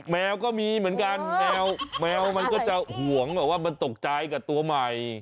แมวก็มีเหมือนกันแมวแมวมันก็จะห่วงว่ามันตกใจกับตัวใหม่